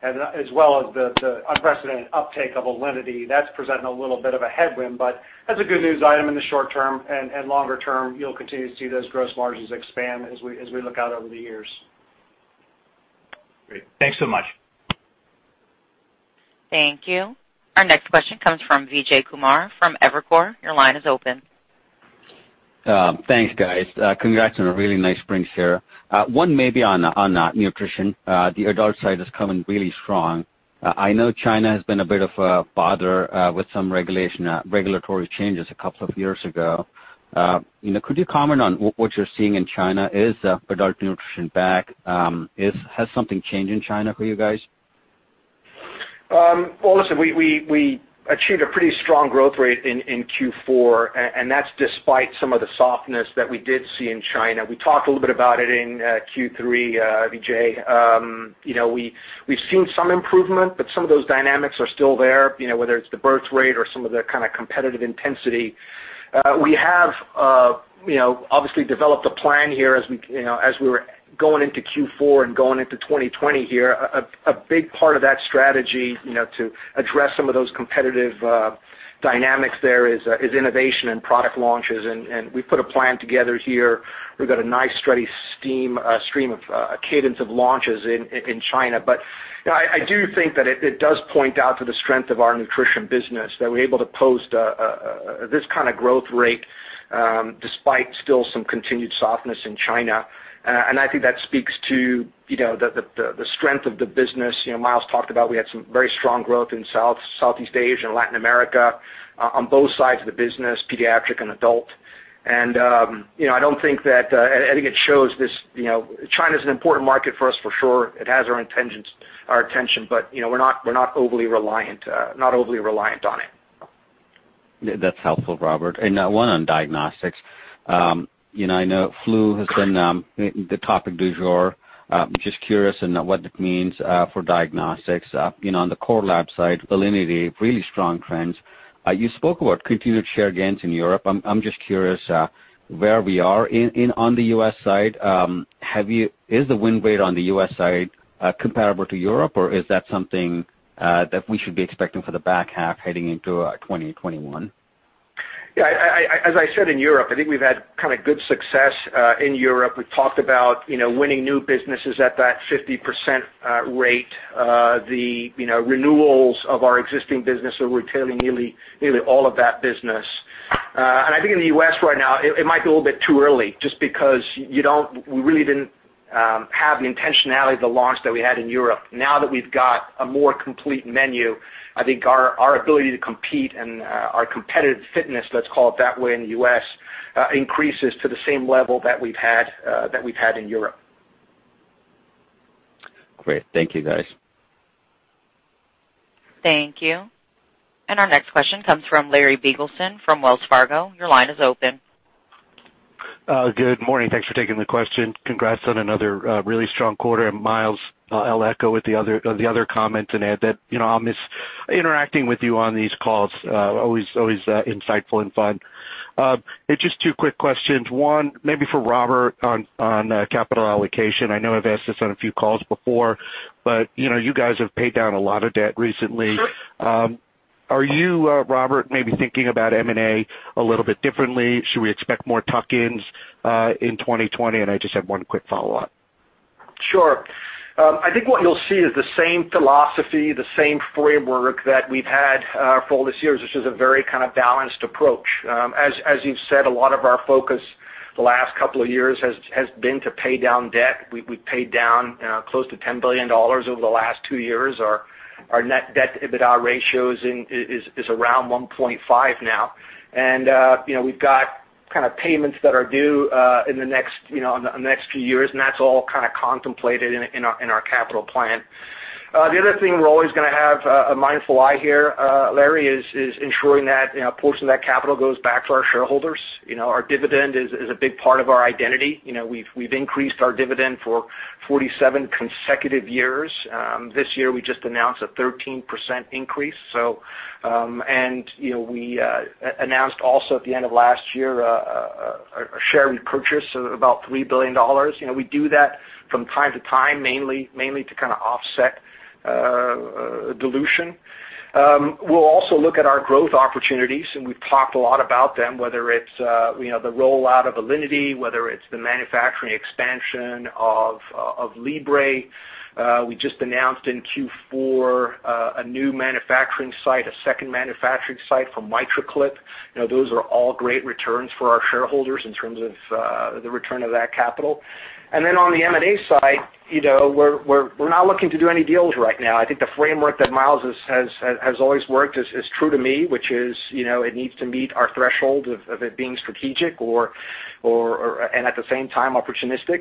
as well as the unprecedented uptake of Alinity, that's presenting a little bit of a headwind. That's a good news item in the short-term, and longer-term, you'll continue to see those gross margins expand as we look out over the years. Great. Thanks so much. Thank you. Our next question comes from Vijay Kumar from Evercore. Your line is open. Thanks, guys. Congrats on a really nice spring share. One maybe on nutrition. The adult side is coming really strong. I know China has been a bit of a bother with some regulatory changes a couple of years ago. Could you comment on what you're seeing in China? Is adult nutrition back? Has something changed in China for you guys? Listen, we achieved a pretty strong growth rate in Q4, and that's despite some of the softness that we did see in China. We talked a little bit about it in Q3, Vijay. We've seen some improvement, but some of those dynamics are still there, whether it's the birth rate or some of the kind of competitive intensity. We have obviously developed a plan here as we were going into Q4 and going into 2020 here. A big part of that strategy to address some of those competitive dynamics there is innovation and product launches. We've put a plan together here. We've got a nice steady cadence of launches in China. I do think that it does point out to the strength of our nutrition business that we're able to post this kind of growth rate despite still some continued softness in China. I think that speaks to the strength of the business. Miles talked about, we had some very strong growth in Southeast Asia and Latin America on both sides of the business, pediatric and adult. I think it shows China's an important market for us for sure. It has our attention, but we're not overly reliant on it. That's helpful, Robert. One on diagnostics. I know flu has been the topic du jour. I'm just curious in what it means for diagnostics. On the core lab side, Alinity, really strong trends. You spoke about continued share gains in Europe. I'm just curious where we are on the U.S. side. Is the win rate on the U.S. side comparable to Europe, or is that something that we should be expecting for the back half heading into 2021? Yeah, as I said, in Europe, I think we've had kind of good success in Europe. We've talked about winning new businesses at that 50% rate. The renewals of our existing business are retaining nearly all of that business. I think in the U.S. right now, it might be a little bit too early just because we really didn't have the intentionality of the launch that we had in Europe. Now that we've got a more complete menu, I think our ability to compete and our competitive fitness, let's call it that way, in the U.S., increases to the same level that we've had in Europe. Great. Thank you, guys. Thank you. Our next question comes from Larry Biegelsen from Wells Fargo. Your line is open. Good morning. Thanks for taking the question. Congrats on another really strong quarter. Miles, I'll echo with the other comments and add that I'll miss interacting with you on these calls. Always insightful and fun. Just two quick questions. One, maybe for Robert on capital allocation. I know I've asked this on a few calls before. You guys have paid down a lot of debt recently. Sure. Are you, Robert, maybe thinking about M&A a little bit differently? Should we expect more tuck-ins in 2020? I just have one quick follow-up. Sure. I think what you'll see is the same philosophy, the same framework that we've had for all these years, which is a very kind of balanced approach. As you've said, a lot of our focus the last couple of years has been to pay down debt. We've paid down close to $10 billion over the last two years. Our net debt EBITDA ratio is around 1.5 now. We've got payments that are due in the next few years, and that's all kind of contemplated in our capital plan. The other thing we're always going to have a mindful eye here, Larry, is ensuring that a portion of that capital goes back to our shareholders. Our dividend is a big part of our identity. We've increased our dividend for 47 consecutive years. This year, we just announced a 13% increase. We announced also at the end of last year a share repurchase of about $3 billion. We do that from time to time, mainly to kind of offset dilution. We'll also look at our growth opportunities, and we've talked a lot about them, whether it's the rollout of Alinity, whether it's the manufacturing expansion of Libre. We just announced in Q4 a new manufacturing site, a second manufacturing site for MitraClip. Those are all great returns for our shareholders in terms of the return of that capital. On the M&A side, we're not looking to do any deals right now. I think the framework that Miles has always worked is true to me, which is it needs to meet our threshold of it being strategic and at the same time opportunistic.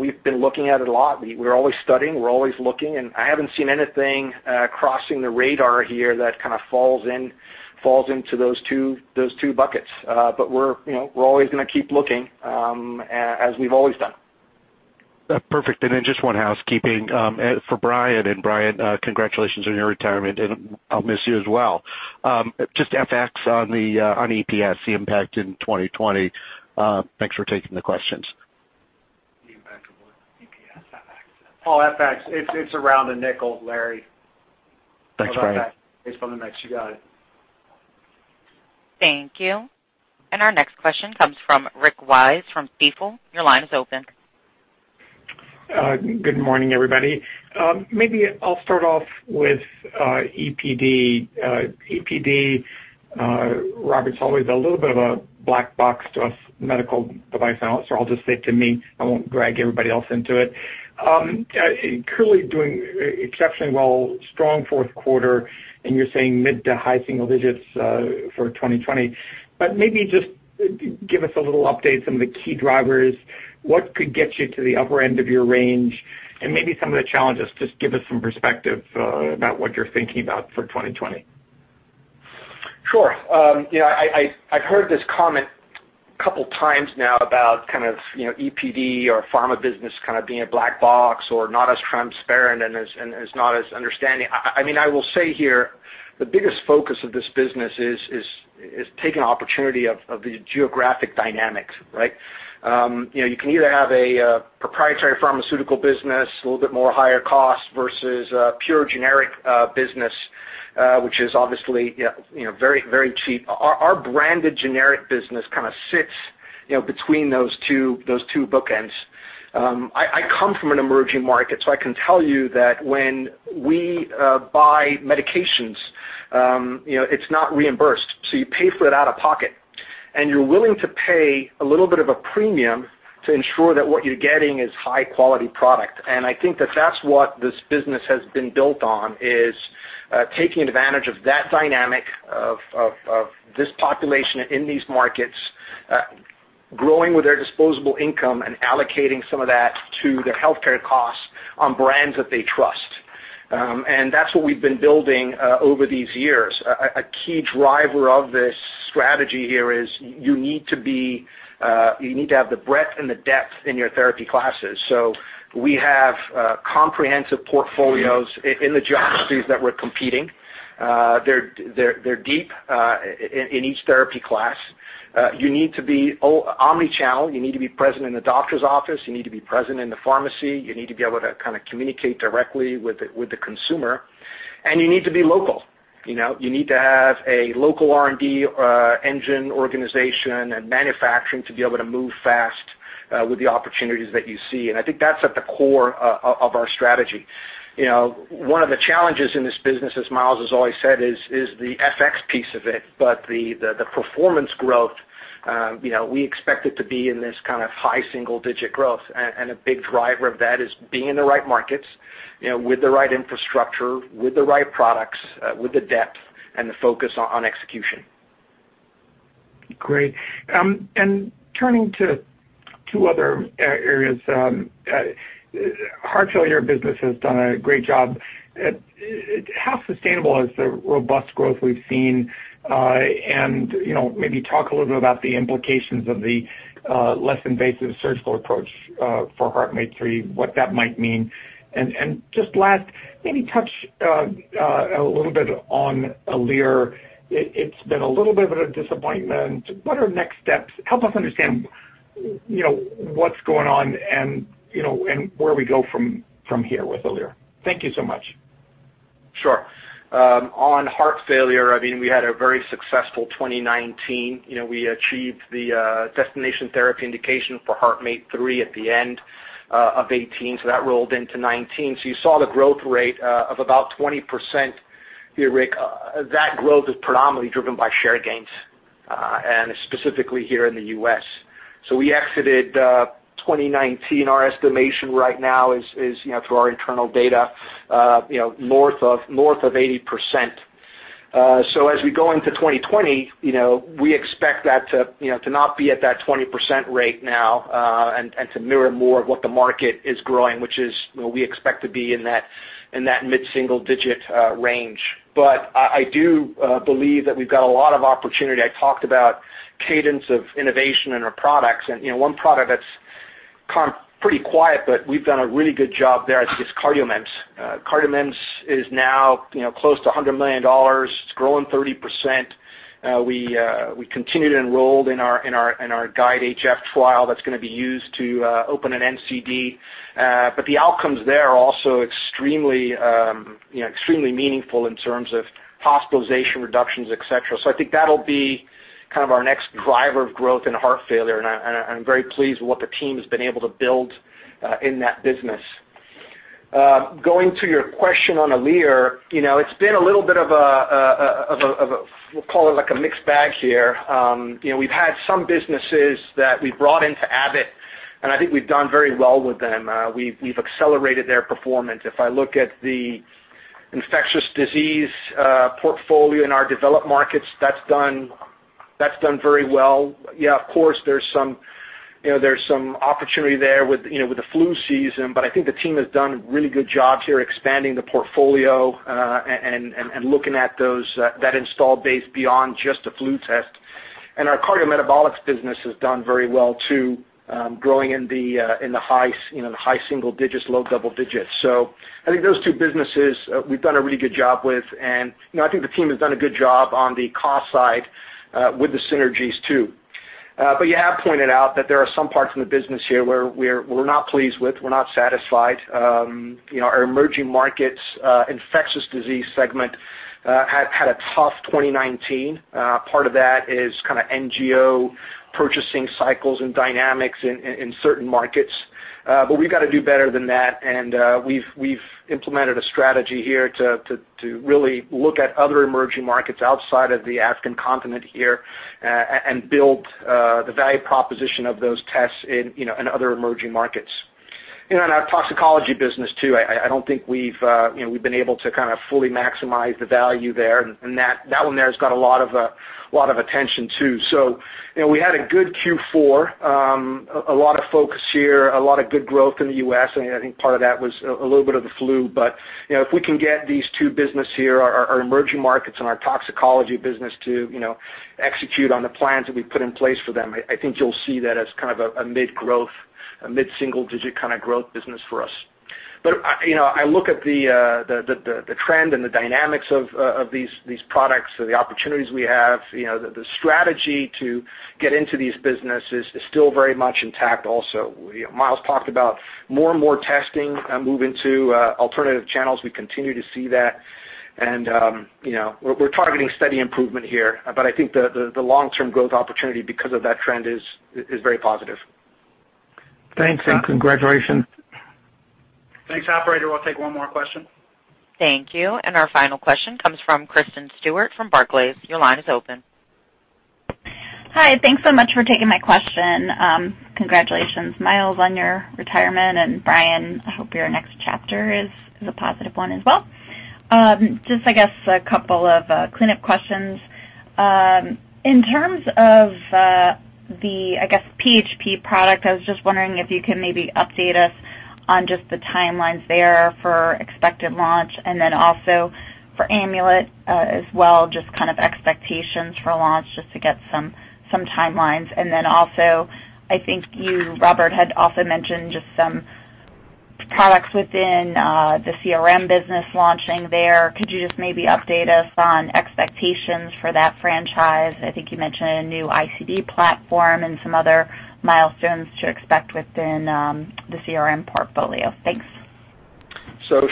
We've been looking at it a lot. We're always studying, we're always looking, and I haven't seen anything crossing the radar here that kind of falls into those two buckets. We're always going to keep looking as we've always done. Perfect. Just one housekeeping for Brian, and Brian, congratulations on your retirement, and I'll miss you as well. Just FX on EPS, the impact in 2020. Thanks for taking the questions. The impact of what? EPS, FX. Oh, FX. It's around $0.05, Larry. Thanks, Brian. How about that? Based on the mix, you got it. Thank you. Our next question comes from Rick Wise from Stifel. Your line is open. Good morning, everybody. Maybe I'll start off with EPD. EPD, Robert, it's always a little bit of a black box to us medical device analysts, so I'll just stick to me. I won't drag everybody else into it. Clearly doing exceptionally well, strong fourth quarter, and you're saying mid to high single-digits for 2020. Maybe just give us a little update, some of the key drivers. What could get you to the upper end of your range and maybe some of the challenges? Just give us some perspective about what you're thinking about for 2020. Sure. I've heard this comment a couple of times now about EPD or pharma business kind of being a black box or not as transparent and is not as understanding. I will say here, the biggest focus of this business is taking opportunity of the geographic dynamics. You can either have a proprietary pharmaceutical business, a little bit more higher cost, versus a pure generic business, which is obviously very cheap. Our branded generic business kind of sits between those two bookends. I come from an emerging market, I can tell you that when we buy medications, it's not reimbursed, you pay for it out of pocket, and you're willing to pay a little bit of a premium to ensure that what you're getting is high-quality product. I think that that's what this business has been built on, is taking advantage of that dynamic of this population in these markets, growing with their disposable income and allocating some of that to their healthcare costs on brands that they trust. That's what we've been building over these years. A key driver of this strategy here is you need to have the breadth and the depth in your therapy classes. We have comprehensive portfolios in the geographies that we're competing. They're deep in each therapy class. You need to be omnichannel. You need to be present in the doctor's office. You need to be present in the pharmacy. You need to be able to communicate directly with the consumer, and you need to be local. You need to have a local R&D engine, organization, and manufacturing to be able to move fast with the opportunities that you see, and I think that's at the core of our strategy. One of the challenges in this business, as Miles has always said, is the FX piece of it. The performance growth, we expect it to be in this kind of high single-digit growth, and a big driver of that is being in the right markets with the right infrastructure, with the right products, with the depth, and the focus on execution. Great. Turning to two other areas. Heart failure business has done a great job. How sustainable is the robust growth we've seen? Maybe talk a little bit about the implications of the less invasive surgical approach for HeartMate 3, what that might mean. Just last, maybe touch a little bit on Alere. It's been a little bit of a disappointment. What are next steps? Help us understand what's going on and where we go from here with Alere. Thank you so much. Sure. On heart failure, we had a very successful 2019. We achieved the destination therapy indication for HeartMate 3 at the end of 2018. That rolled into 2019. You saw the growth rate of about 20% here, Rick. That growth is predominantly driven by share gains, and specifically here in the U.S. We exited 2019, our estimation right now is, through our internal data, north of 80%. As we go into 2020, we expect that to not be at that 20% rate now and to mirror more of what the market is growing, which is we expect to be in that mid-single digit range. I do believe that we've got a lot of opportunity. I talked about cadence of innovation in our products, and one product that's come pretty quiet, but we've done a really good job there, I think it's CardioMEMS. CardioMEMS is now close to $100 million. It's growing 30%. We continued and enrolled in our GUIDE-HF trial that's going to be used to open an NCD. The outcomes there are also extremely meaningful in terms of hospitalization reductions, et cetera. I think that'll be our next driver of growth in heart failure, and I'm very pleased with what the team has been able to build in that business. Going to your question on Alere, it's been a little bit of a, we'll call it like a mixed bag here. We've had some businesses that we brought into Abbott, and I think we've done very well with them. We've accelerated their performance. If I look at the infectious disease portfolio in our developed markets, that's done very well. Of course, there's some opportunity there with the flu season, I think the team has done a really good job here expanding the portfolio and looking at that install base beyond just a flu test. Our cardiometabolics business has done very well, too, growing in the high single digits, low double-digits. I think those two businesses we've done a really good job with, and I think the team has done a good job on the cost side with the synergies, too. You have pointed out that there are some parts in the business here where we're not pleased with, we're not satisfied. Our emerging markets infectious disease segment had a tough 2019. Part of that is kind of NGO purchasing cycles and dynamics in certain markets. We've got to do better than that, and we've implemented a strategy here to really look at other emerging markets outside of the African continent here and build the value proposition of those tests in other emerging markets. In our toxicology business too, I don't think we've been able to fully maximize the value there, and that one there has got a lot of attention too. We had a good Q4, a lot of focus here, a lot of good growth in the U.S., and I think part of that was a little bit of the flu. If we can get these two business here, our emerging markets and our toxicology business to execute on the plans that we put in place for them, I think you'll see that as kind of a mid-single-digit kind of growth business for us. I look at the trend and the dynamics of these products or the opportunities we have, the strategy to get into these businesses is still very much intact also. Miles talked about more and more testing and move into alternative channels. We continue to see that, and we're targeting steady improvement here. I think the long-term growth opportunity because of that trend is very positive. Thanks and congratulations. Thanks, operator. We'll take one more question. Thank you. Our final question comes from Kristen Stewart from Barclays. Your line is open. Hi, thanks so much for taking my question. Congratulations, Miles, on your retirement, and Brian, I hope your next chapter is a positive one as well. Just I guess a couple of cleanup questions. In terms of the, I guess, PHP product, I was just wondering if you can maybe update us on just the timelines there for expected launch and then also for Amulet as well, just kind of expectations for launch just to get some timelines. Then also I think you, Robert, had also mentioned just some products within the CRM business launching there. Could you just maybe update us on expectations for that franchise? I think you mentioned a new ICD platform and some other milestones to expect within the CRM portfolio. Thanks.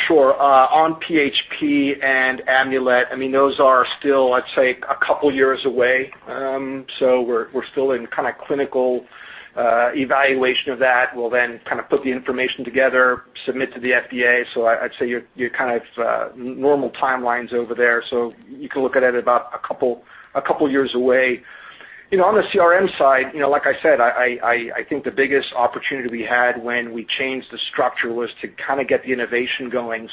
Sure. On PHP and Amulet, those are still, I'd say, a couple of years away. We're still in kind of clinical evaluation of that. We'll kind of put the information together, submit to the FDA. I'd say your kind of normal timelines over there. You can look at it about a couple years away. On the CRM side, like I said, I think the biggest opportunity we had when we changed the structure was to kind of get the innovation going.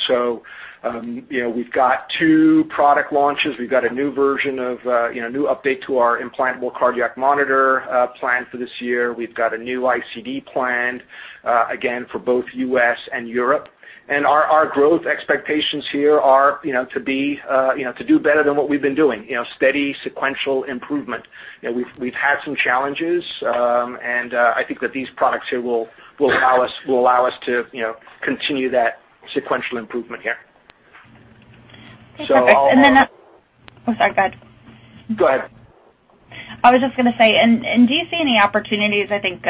We've got two product launches. We've got a new version of a new update to our implantable cardiac monitor planned for this year. We've got a new ICD planned, again, for both U.S. and Europe. Our growth expectations here are to do better than what we've been doing, steady sequential improvement. We've had some challenges, and I think that these products here will allow us to continue that sequential improvement here. Okay, perfect. Oh, sorry, go ahead. Go ahead. I was just going to say, do you see any opportunities, I think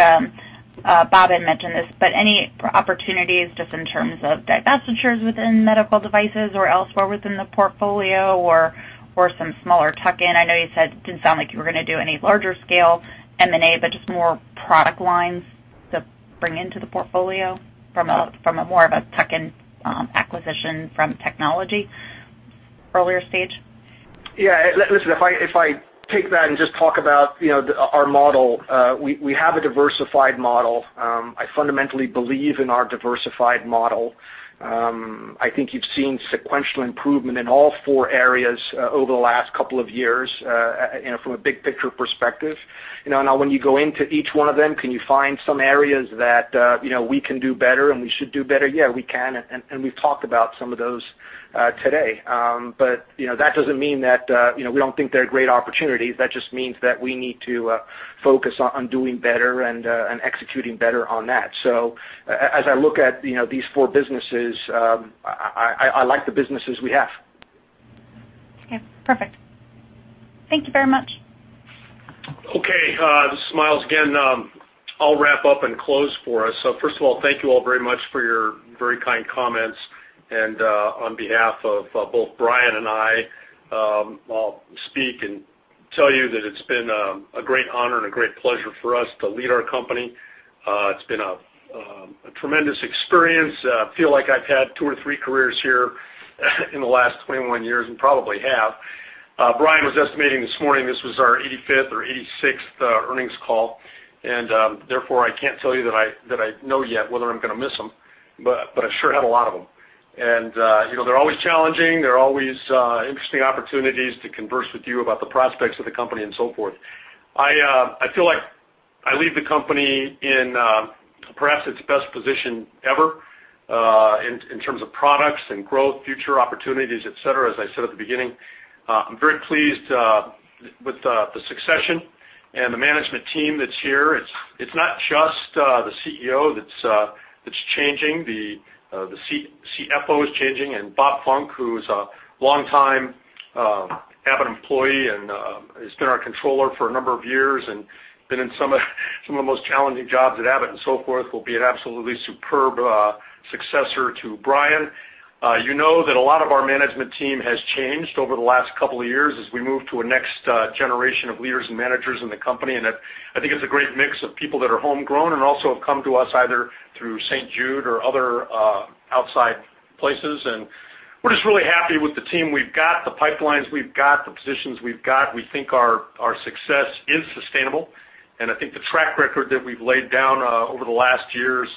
Bob had mentioned this, but any opportunities just in terms of divestitures within medical devices or elsewhere within the portfolio or some smaller tuck-in? I know you said it didn't sound like you were going to do any larger scale M&A, but just more product lines to bring into the portfolio from a more of a tuck-in acquisition from technology earlier stage? Listen, if I take that and just talk about our model, we have a diversified model. I fundamentally believe in our diversified model. I think you've seen sequential improvement in all four areas over the last couple of years, from a big picture perspective. When you go into each one of them, can you find some areas that we can do better and we should do better? We can, and we've talked about some of those today. That doesn't mean that we don't think they're great opportunities. That just means that we need to focus on doing better and executing better on that. As I look at these four businesses, I like the businesses we have. Okay, perfect. Thank You very much. Okay. This is Miles again. I'll wrap up and close for us. First of all, thank you all very much for your very kind comments, and on behalf of both Brian and I'll speak and tell you that it's been a great honor and a great pleasure for us to lead our company. It's been a tremendous experience. I feel like I've had two or three careers here in the last 21 years and probably have. Brian was estimating this morning this was our 85th or 86th earnings call, therefore, I can't tell you that I know yet whether I'm going to miss them, but I sure have a lot of them. They're always challenging, they're always interesting opportunities to converse with you about the prospects of the company and so forth. I feel like I leave the company in perhaps its best position ever in terms of products and growth, future opportunities, et cetera, as I said at the beginning. I'm very pleased with the succession and the management team that's here. It's not just the CEO that's changing. The CFO is changing, Bob Funck, who's a long-time Abbott employee and has been our Controller for a number of years and been in some of the most challenging jobs at Abbott and so forth, will be an absolutely superb successor to Brian. You know that a lot of our management team has changed over the last couple of years as we move to a next generation of leaders and managers in the company, and I think it's a great mix of people that are homegrown and also have come to us either through St. Jude or other outside places, and we're just really happy with the team we've got, the pipelines we've got, the positions we've got. We think our success is sustainable, and I think the track record that we've laid down over the last years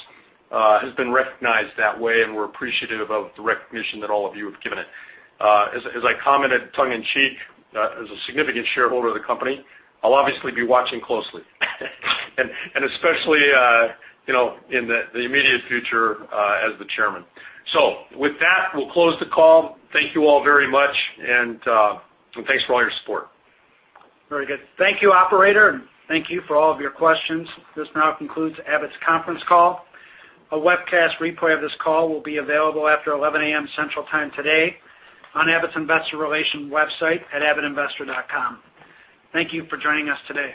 has been recognized that way, and we're appreciative of the recognition that all of you have given it. As I commented tongue in cheek, as a significant shareholder of the company, I'll obviously be watching closely. Especially in the immediate future as the Chairman. With that, we'll close the call. Thank you all very much, and thanks for all your support. Very good. Thank you, operator. Thank you for all of your questions. This now concludes Abbott's conference call. A webcast replay of this call will be available after 11:00 A.M. Central Time today on Abbott's investor relations website at abbottinvestor.com. Thank you for joining us today.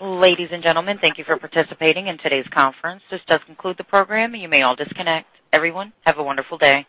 Ladies and gentlemen, thank you for participating in today's conference. This does conclude the program. You may all disconnect. Everyone, have a wonderful day.